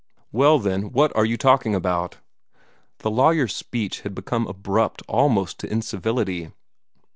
"Well, then, what are you talking about?" The lawyer's speech had become abrupt almost to incivility.